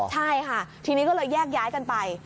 ใช่ค่ะทีนี้ก็เลยแยกย้ายกันไป